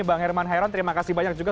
bang herman heron terima kasih banyak juga